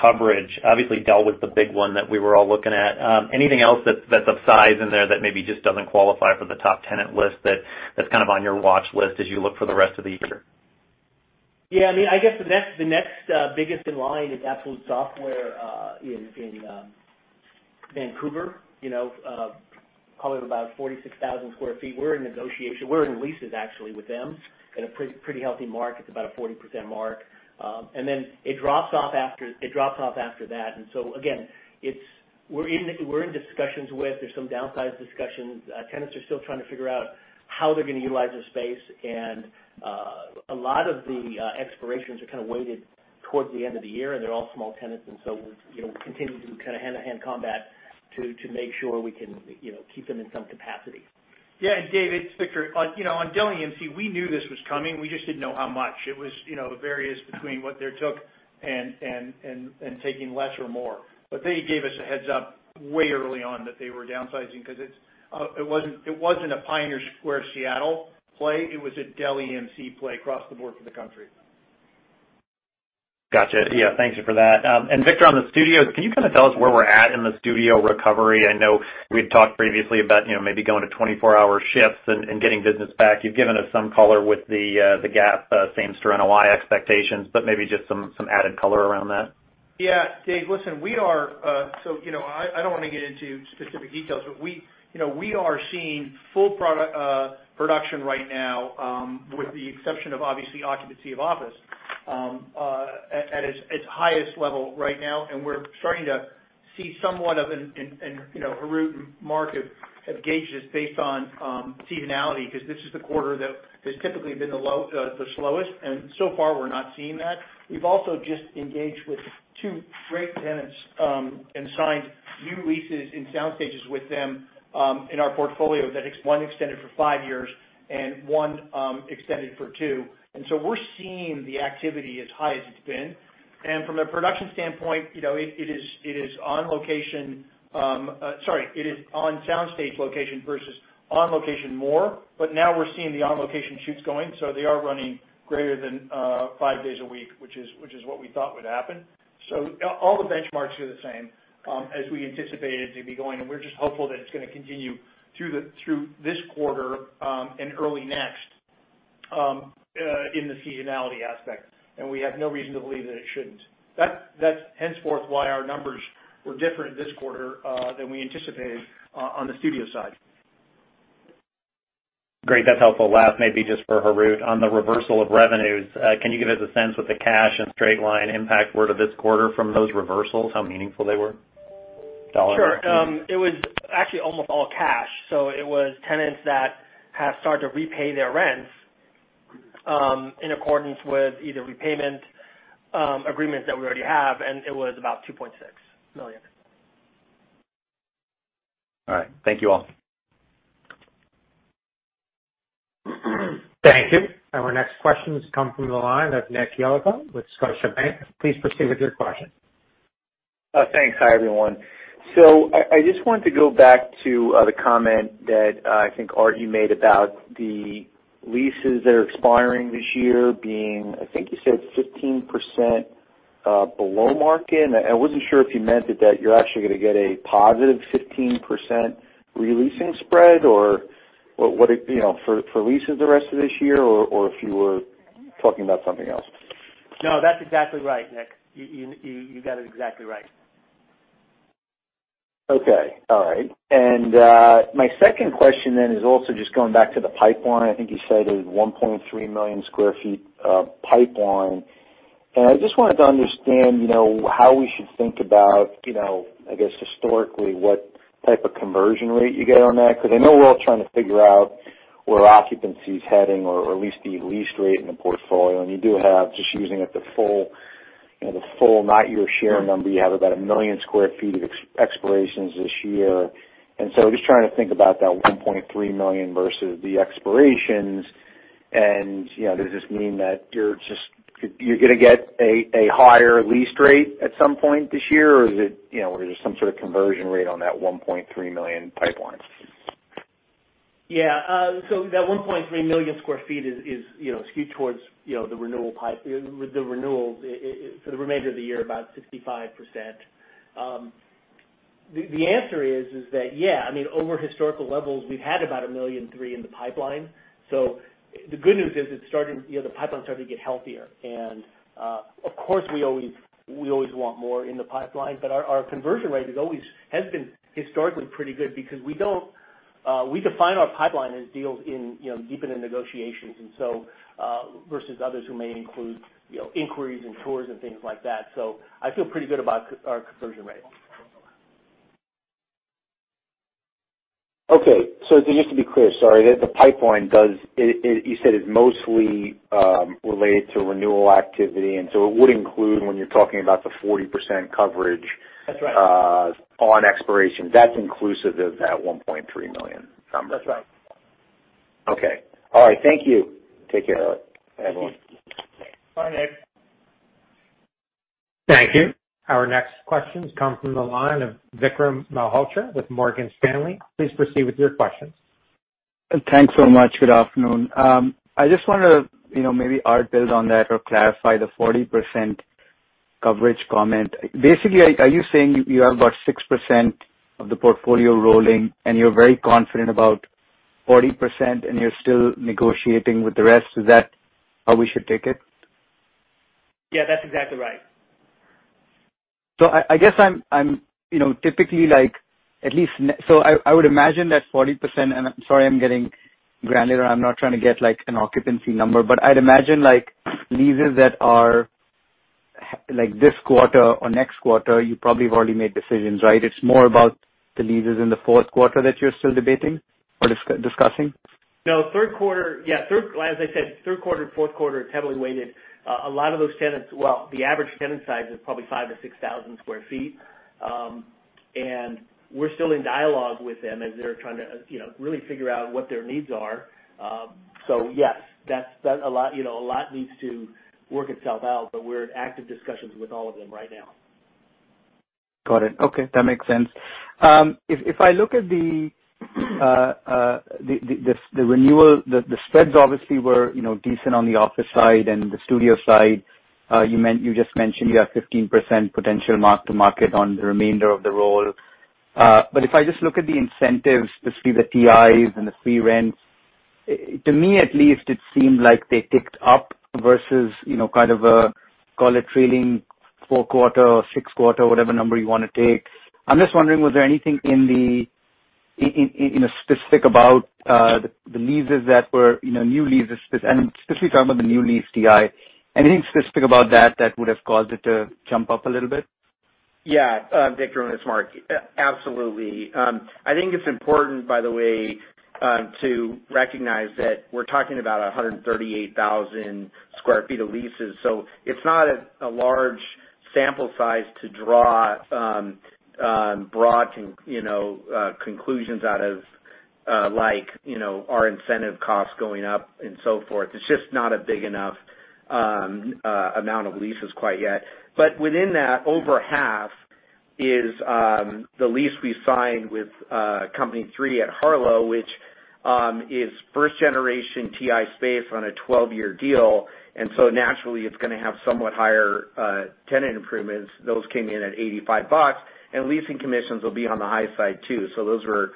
coverage, obviously Dell was the big one that we were all looking at. Anything else that's of size in there that maybe just doesn't qualify for the top tenant list that's kind of on your watch list as you look for the rest of the year? Yeah. I guess the next biggest in line is Absolute Software in Vancouver. Call it about 46,000 sq ft. We're in negotiation. We're in leases actually with them at a pretty healthy mark. It's about a 40% mark. It drops off after that. Again, we're in discussions with, there's some downsize discussions. Tenants are still trying to figure out how they're going to utilize their space. A lot of the expirations are kind of weighted towards the end of the year, and they're all small tenants, and so we'll continue to kind of hand-to-hand combat to make sure we can keep them in some capacity. Yeah. Dave, it's Victor. On Dell EMC, we knew this was coming. We just didn't know how much. It was various between what they took and taking less or more. They gave us a heads-up way early on that they were downsizing because it wasn't a Pioneer Square Seattle play. It was a Dell EMC play across the board for the country. Got you. Yeah, thank you for that. Victor, on the studios, can you kind of tell us where we're at in the studio recovery? I know we had talked previously about maybe going to 24-hour shifts and getting business back. You've given us some color with the GAAP same-store NOI expectations, but maybe just some added color around that. Dave, listen, I don't want to get into specific details, but we are seeing full production right now, with the exception of obviously occupancy of office, at its highest level right now. We're starting to see Harout and Mark have gauged this based on seasonality because this is the quarter that has typically been the slowest. So far, we're not seeing that. We've also just engaged with two great tenants, and signed new leases in sound stages with them, in our portfolio that one extended for five years and one extended for two. So we're seeing the activity as high as it's been. From a production standpoint, it is on sound stage location versus on location more, but now we're seeing the on-location shoots going, so they are running greater than five days a week, which is what we thought would happen. All the benchmarks are the same, as we anticipated to be going, and we're just hopeful that it's going to continue through this quarter, and early next, in the seasonality aspect. We have no reason to believe that it shouldn't. That's henceforth why our numbers were different this quarter, than we anticipated on the studio side. Great. That's helpful. Last, maybe just for Harout, on the reversal of revenues, can you give us a sense what the cash and straight-line impact were to this quarter from those reversals, how meaningful they were? Dollar amount. Sure. It was actually almost all cash. It was tenants that have started to repay their rents, in accordance with either repayment agreements that we already have, and it was about $2.6 million. All right. Thank you all. Thank you. Our next question comes from the line of Nicholas Yulico with Scotiabank. Please proceed with your question. Thanks. Hi, everyone. I just wanted to go back to the comment that I think Art made about the leases that are expiring this year being, I think you said 15% below market. I wasn't sure if you meant that you're actually going to get a positive 15% re-leasing spread for leases the rest of this year, or if you were talking about something else. No, that's exactly right, Nick. You got it exactly right. Okay. All right. My second question is also just going back to the pipeline. I think you said it was 1.3 million square feet of pipeline. I just wanted to understand how we should think about, I guess historically, what type of conversion rate you get on that. Because I know we're all trying to figure out where occupancy's heading or at least the lease rate in the portfolio. You do have, just using the full not-your-share number, you have about 1 million square feet of expirations this year. Just trying to think about that 1.3 million versus the expirations. Does this mean that you're going to get a higher lease rate at some point this year, or is there some sort of conversion rate on that 1.3 million pipeline? Yeah. That 1.3 million square feet is skewed towards the renewal for the remainder of the year, about 65%. The answer is that, yeah, over historical levels, we've had about 1.3 million in the pipeline. The good news is the pipeline's starting to get healthier. Of course, we always want more in the pipeline, but our conversion rate has been historically pretty good because we define our pipeline as deals deep into negotiations and so versus others who may include inquiries and tours and things like that. I feel pretty good about our conversion rate. Okay. Just to be clear, sorry, the pipeline, you said it's mostly related to renewal activity, it would include when you're talking about the 40% coverage. That's right. On expiration. That's inclusive of that 1.3 million number. That's right. Okay. All right. Thank you. Take care. Got it. Thank you. Bye, Nick. Thank you. Our next questions come from the line of Vikram Malhotra with Morgan Stanley. Please proceed with your questions. Thanks so much. Good afternoon. I just want to maybe, Art, build on that or clarify the 40% coverage comment. Basically, are you saying you have about 6% of the portfolio rolling and you're very confident about 40% and you're still negotiating with the rest? Is that how we should take it? Yeah, that's exactly right. I would imagine that 40%, and I'm sorry I'm getting granular, I'm not trying to get an occupancy number, but I'd imagine leases that are this quarter or next quarter, you probably have already made decisions, right? It's more about the leases in the fourth quarter that you're still debating or discussing? No. As I said, third quarter, fourth quarter, it's heavily weighted. Well, the average tenant size is probably 5,000 sq ft to 6,000 sq ft. We're still in dialogue with them as they're trying to really figure out what their needs are. Yes, a lot needs to work itself out, but we're in active discussions with all of them right now. Got it. Okay. That makes sense. If I look at the renewal, the spreads obviously were decent on the office side and the studio side. You just mentioned you have 15% potential mark-to-market on the remainder of the roll. If I just look at the incentives, specifically the TIs and the free rents, to me at least, it seemed like they ticked up versus kind of a, call it trailing four quarter or six quarter, whatever number you want to take. I'm just wondering, was there anything specific about the leases that were new leases, and I'm specifically talking about the new lease TI. Anything specific about that that would've caused it to jump up a little bit? Vikram, it's Mark. Absolutely. I think it's important, by the way, to recognize that we're talking about 138,000 sq ft of leases. It's not a large sample size to draw broad conclusions out of our incentive costs going up and so forth. It's just not a big enough amount of leases quite yet. Within that, over half is the lease we signed with Company Three at Harlow, which is first generation TI space on a 12-year deal, naturally it's going to have somewhat higher tenant improvements. Those came in at $85, leasing commissions will be on the high side too. Those were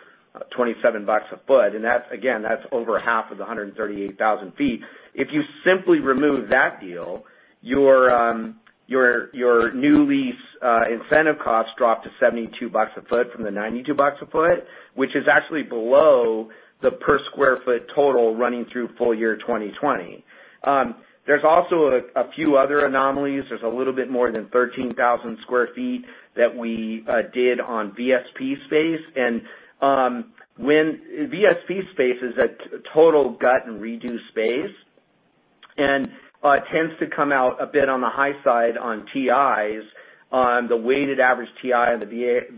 $27 a foot, again, that's over half of the 138,000 ft. If you simply remove that deal, your new lease incentive costs drop to $72 a foot from the $92 a foot, which is actually below the per square foot total running through full year 2020. There's also a few other anomalies. There's a little bit more than 13,000 sq ft that we did on VSP space. And VSP space is a total gut and redo space, and tends to come out a bit on the high side on TIs. On the weighted average TI on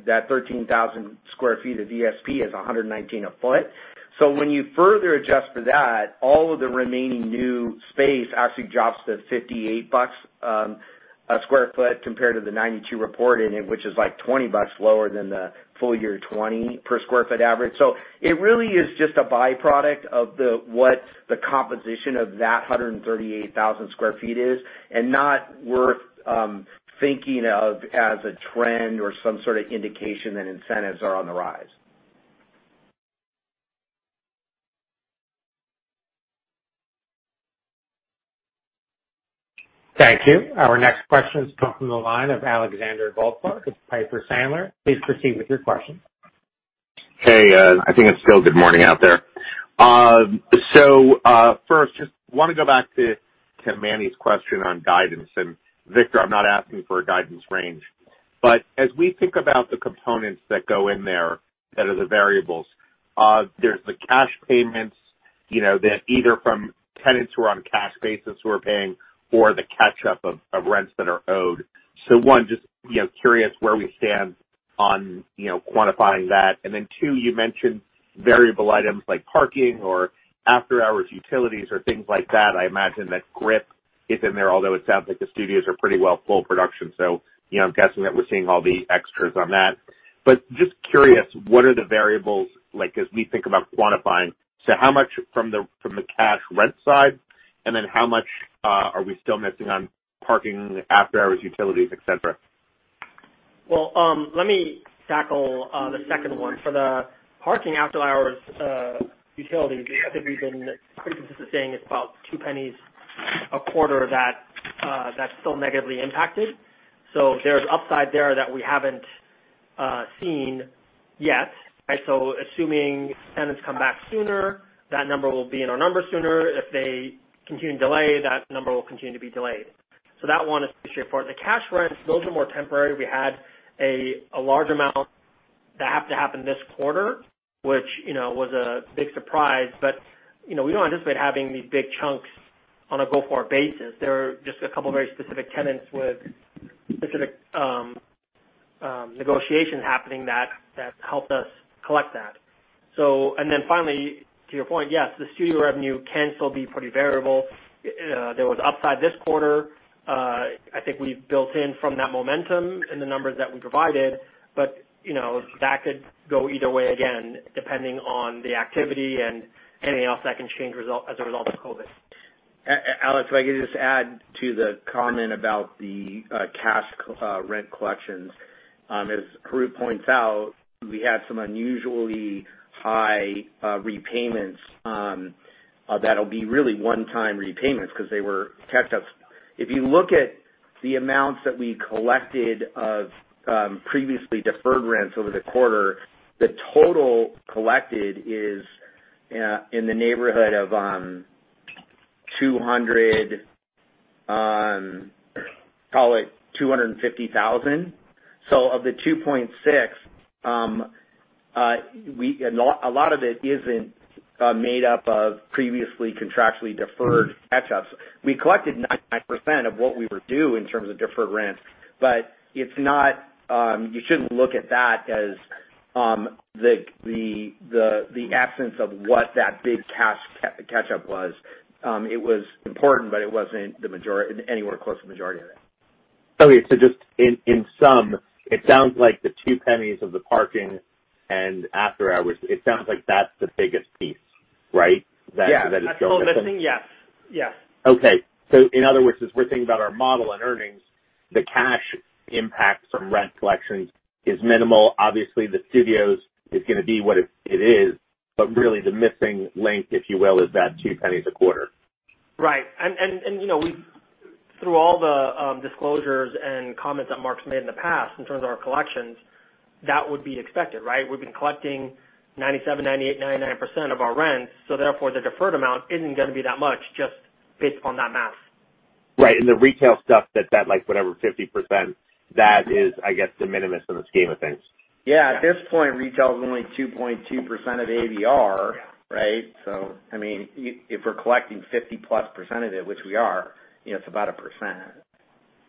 that 13,000 sq ft of VSP is $119 a foot. When you further adjust for that, all of the remaining new space actually drops to $58 a square foot compared to the $92 reported, which is like $20 lower than the full year 2020 per square foot average. It really is just a byproduct of what the composition of that 138,000 sq ft is, and not worth thinking of as a trend or some sort of indication that incentives are on the rise. Thank you. Our next question comes from the line of Alexander Goldfarb with Piper Sandler. Please proceed with your question. Hey. I think it's still good morning out there. First, just want to go back to Manny's question on guidance. Victor, I'm not asking for a guidance range, but as we think about the components that go in there that are the variables, there's the cash payments, either from tenants who are on cash basis who are paying or the catch up of rents that are owed. One, just curious where we stand on quantifying that. Two, you mentioned variable items like parking or after-hours utilities or things like that. I imagine that grip is in there, although it sounds like the studios are pretty well full production, I'm guessing that we're seeing all the extras on that. Just curious, what are the variables as we think about quantifying? How much from the cash rent side, and then how much are we still missing on parking, after-hours utilities, et cetera? Well, let me tackle the second one. For the parking after-hours utilities, I think we've been pretty consistent saying it's about $0.02 a quarter that's still negatively impacted. There's upside there that we haven't seen yet. Assuming tenants come back sooner, that number will be in our numbers sooner. If they continue to delay, that number will continue to be delayed. That one is pretty straightforward. The cash rents, those are more temporary. We had a large amount that happened to happen this quarter, which was a big surprise. We don't anticipate having these big chunks on a go-forward basis. There were just a couple of very specific tenants with specific negotiations happening that helped us collect that. Finally, to your point, yes, the studio revenue can still be pretty variable. There was upside this quarter. I think we've built in from that momentum in the numbers that we provided. That could go either way again, depending on the activity and anything else that can change as a result of COVID-19. Alex, if I could just add to the comment about the cash rent collections. As Harout points out, we had some unusually high repayments that'll be really one-time repayments because they were catch-ups. If you look at the amounts that we collected of previously deferred rents over the quarter, the total collected is in the neighborhood of call it $250,000. Of the $2.6, a lot of it isn't made up of previously contractually deferred catch-ups. We collected 99% of what we were due in terms of deferred rents, but you shouldn't look at that as the absence of what that big cash catch-up was. It was important, but it wasn't anywhere close to the majority of it. Okay, just in sum, it sounds like the $0.02 of the parking and after hours, it sounds like that's the biggest piece, right? That is gone missing. Yeah. That's the whole missing, yes. Okay. In other words, as we're thinking about our model and earnings, the cash impact from rent collections is minimal. The studios is going to be what it is. Really the missing link, if you will, is that $0.02 a quarter. Right. Through all the disclosures and comments that Mark's made in the past in terms of our collections, that would be expected, right? We've been collecting 97%, 98%, 99% of our rents, therefore the deferred amount isn't going to be that much just based on that math. Right. The retail stuff that like whatever 50%, that is, I guess, de minimis in the scheme of things. Yeah. At this point, retail is only 2.2% of the ABR, right? I mean, if we're collecting 50+% of it, which we are, it's about 1%.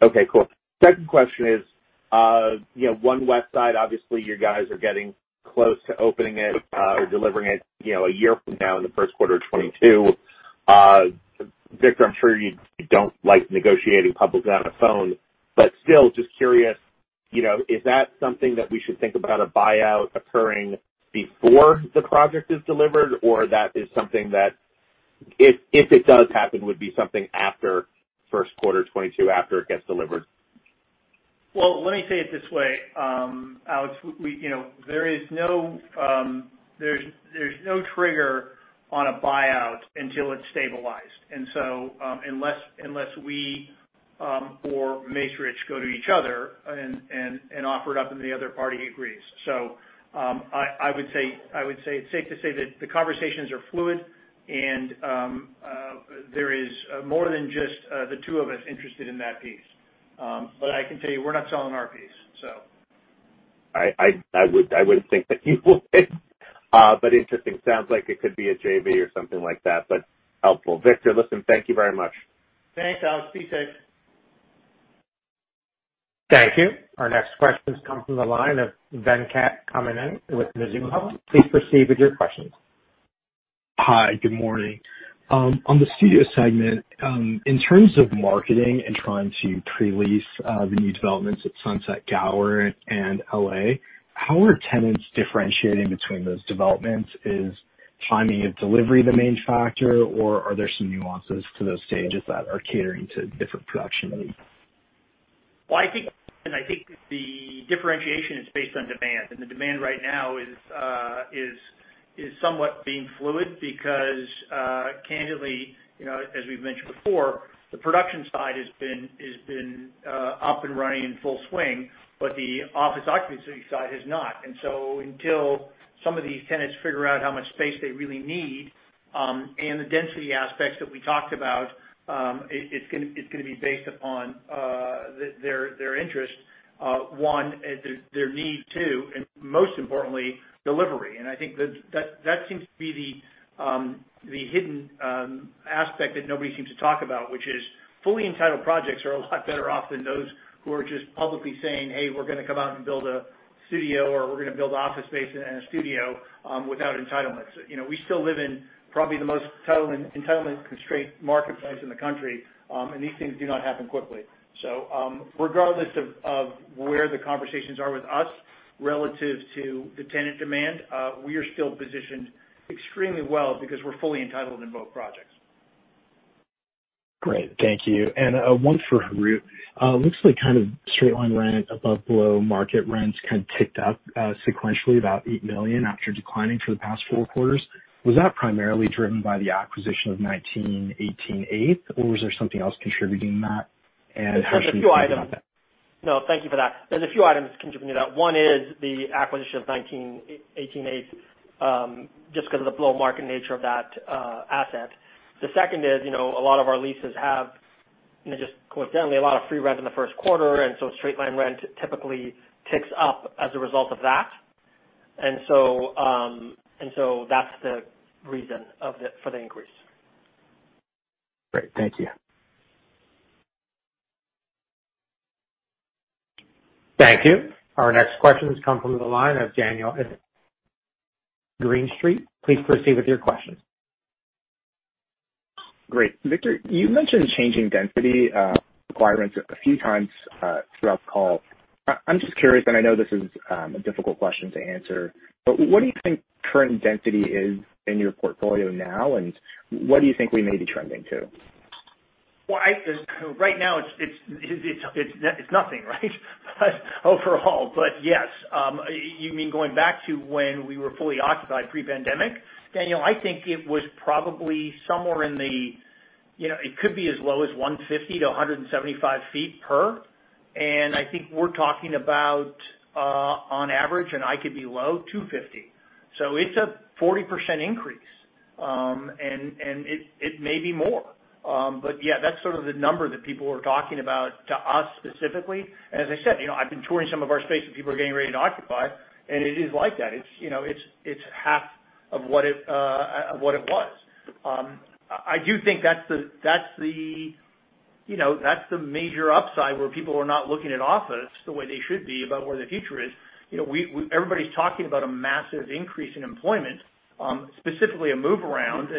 Okay, cool. Second question is One Westside, obviously you guys are getting close to opening it or delivering it a year from now in the first quarter of 2022. Victor, I'm sure you don't like negotiating publicly on a phone, but still just curious, is that something that we should think about a buyout occurring before the project is delivered? Or that is something that if it does happen, would be something after first quarter 2022 after it gets delivered? Well, let me say it this way, Alex. There's no trigger on a buyout until it's stabilized, unless we or Macerich go to each other and offer it up and the other party agrees. I would say it's safe to say that the conversations are fluid and there is more than just the two of us interested in that piece. I can tell you we're not selling our piece. I wouldn't think that you would. Interesting. Sounds like it could be a JV or something like that, but helpful. Victor, listen, thank you very much. Thanks, Alex. Be safe. Thank you. Our next questions come from the line of Venkat Kommineni with Mizuho. Please proceed with your questions. Hi, good morning. On the studio segment, in terms of marketing and trying to pre-lease the new developments at Sunset Gower and L.A., how are tenants differentiating between those developments? Is timing of delivery the main factor, or are there some nuances to those stages that are catering to different production needs? I think the differentiation is based on demand, and the demand right now is somewhat being fluid because, candidly, as we've mentioned before, the production side has been up and running in full swing, but the office occupancy side has not. Until some of these tenants figure out how much space they really need and the density aspects that we talked about, it's going to be based upon their interest, one, their need, two, and most importantly, delivery. I think that seems to be the hidden aspect that nobody seems to talk about, which is fully entitled projects are a lot better off than those who are just publicly saying, "Hey, we're going to come out and build a studio or we're going to build office space and a studio without entitlements." We still live in probably the most entitlement-constrained marketplace in the country, and these things do not happen quickly. Regardless of where the conversations are with us relative to the tenant demand, we are still positioned extremely well because we're fully entitled in both projects. Great. Thank you. One for Harout. Looks like kind of straight line rent above, below market rents kind of ticked up sequentially about $8 million after declining for the past four quarters. Was that primarily driven by the acquisition of 1918 Eighth Ave or was there something else contributing to that? How should we think about that? There's a few items. No, thank you for that. There's a few items contributing to that. One is the acquisition of 1918 Eighth just because of the below-market nature of that asset. The second is a lot of our leases have just coincidentally a lot of free rent in the first quarter. Straight line rent typically ticks up as a result of that. That's the reason for the increase. Great. Thank you. Thank you. Our next questions come from the line of Daniel at Green Street. Please proceed with your questions. Great. Victor, you mentioned changing density, requirements a few times, throughout the call. I'm just curious, and I know this is a difficult question to answer, but what do you think current density is in your portfolio now, and what do you think we may be trending to? Well, right now it's nothing, right? Overall but yes, you mean going back to when we were fully occupied pre-pandemic, Daniel, I think it was probably somewhere in the, it could be as low as 150 ft-175 ft per. I think we're talking about, on average, and I could be low, 250 ft. It's a 40% increase. It may be more. Yeah, that's sort of the number that people were talking about to us specifically. As I said, I've been touring some of our space that people are getting ready to occupy, and it is like that. It's half of what it was. I do think that's the major upside where people are not looking at office the way they should be about where the future is. Everybody's talking about a massive increase in employment, specifically a move around.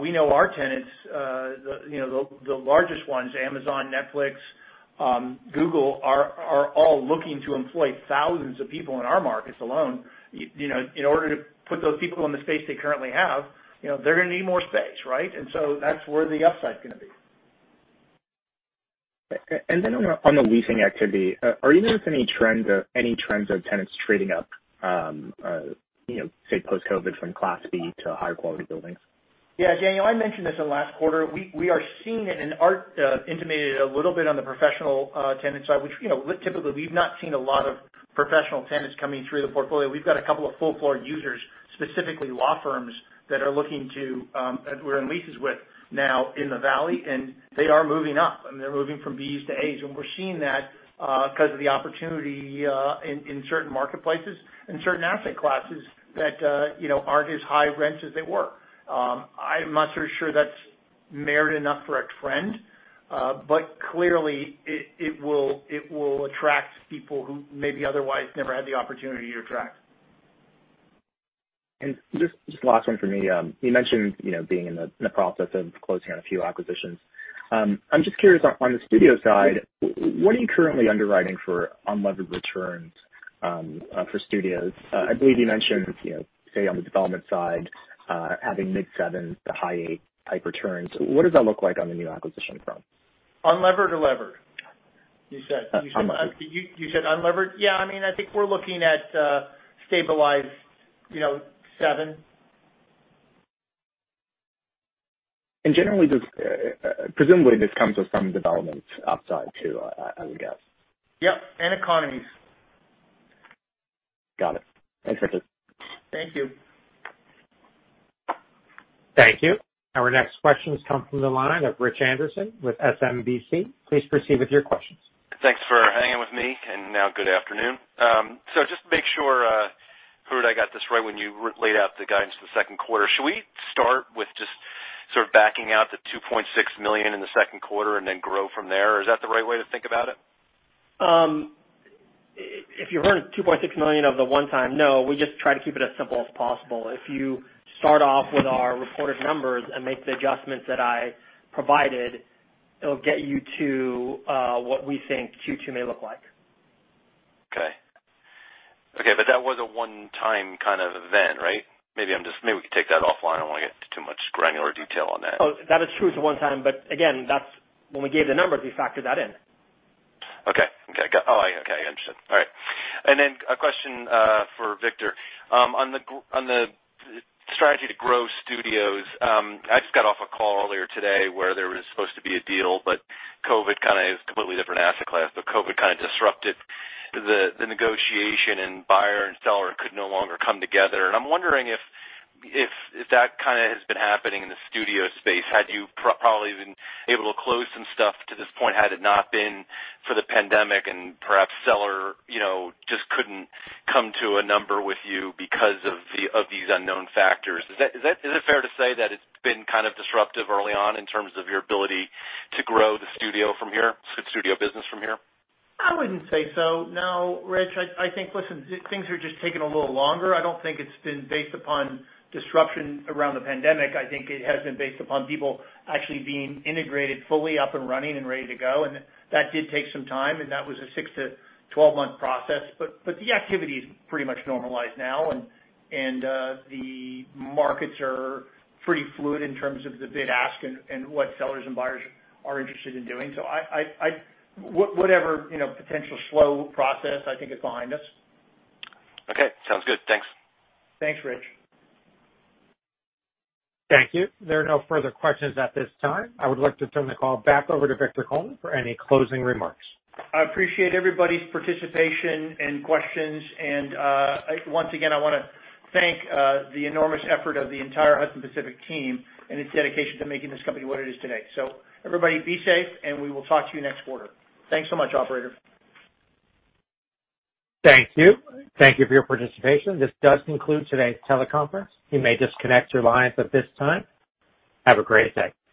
We know our tenants, the largest ones, Amazon, Netflix, Google, are all looking to employ thousands of people in our markets alone. In order to put those people in the space they currently have, they're going to need more space, right? That's where the upside is going to be. Okay. Then on the leasing activity, are you noticing any trends of tenants trading up, say, post-COVID from Class B to higher quality buildings? Daniel, I mentioned this in last quarter. We are seeing it, Art intimated a little bit on the professional tenant side, which typically we've not seen a lot of professional tenants coming through the portfolio. We've got a couple of full floor users, specifically law firms, that we're in leases with now in the Valley, they are moving up, and they're moving from Bs to As. We're seeing that because of the opportunity in certain marketplaces and certain asset classes that aren't as high rents as they were. I'm not so sure that's merit enough for a trend, clearly it will attract people who maybe otherwise never had the opportunity to attract. Just last one from me. You mentioned being in the process of closing on a few acquisitions. I'm just curious on the studio side, what are you currently underwriting for unlevered returns for studios? I believe you mentioned, say, on the development side, having mid-7% to high 8% type returns. What does that look like on the new acquisition front? Unlevered or levered? You said- Unlevered. You said unlevered? Yeah. I think we're looking at, stabilized 7%. Generally, presumably this comes with some development upside too, I would guess. Yep, and economies. Got it. Thanks, Victor. Thank you. Thank you. Our next questions come from the line of Rich Anderson with SMBC. Please proceed with your questions. Thanks for hanging with me, now good afternoon. Just to make sure, Harout, I got this right when you laid out the guidance for the second quarter. Should we start with just sort of backing out the $2.6 million in the second quarter then grow from there? Is that the right way to think about it? If you heard $2.6 million of the one-time, no, we just try to keep it as simple as possible. If you start off with our reported numbers and make the adjustments that I provided, it'll get you to what we think Q2 may look like. Okay. That was a one-time kind of event, right? Maybe we could take that offline. I don't want to get into too much granular detail on that. Oh, that is true. It's a one-time, but again, that's when we gave the numbers, we factored that in. Okay. Got it. Oh, okay. Interesting. All right. A question for Victor. On the strategy to grow studios, I just got off a call earlier today where there was supposed to be a deal, but it was a completely different asset class, but COVID-19 kind of disrupted the negotiation, and buyer and seller could no longer come together. I'm wondering if that kind of has been happening in the studio space. Had you probably been able to close some stuff to this point had it not been for the pandemic and perhaps seller just couldn't come to a number with you because of these unknown factors. Is it fair to say that it's been kind of disruptive early on in terms of your ability to grow the studio from here? The studio business from here? I wouldn't say so, no, Rich. I think, listen, things are just taking a little longer. I don't think it's been based upon disruption around the pandemic. I think it has been based upon people actually being integrated fully up and running and ready to go, and that did take some time, and that was a 6-12-month process. The activity is pretty much normalized now, and the markets are pretty fluid in terms of the bid-ask and what sellers and buyers are interested in doing. Whatever potential slow process, I think is behind us. Okay. Sounds good. Thanks. Thanks, Rich. Thank you. There are no further questions at this time. I would like to turn the call back over to Victor Coleman for any closing remarks. I appreciate everybody's participation and questions. Once again, I want to thank the enormous effort of the entire Hudson Pacific team and its dedication to making this company what it is today. Everybody be safe, and we will talk to you next quarter. Thanks so much, operator. Thank you. Thank you for your participation. This does conclude today's teleconference. You may disconnect your lines at this time. Have a great day.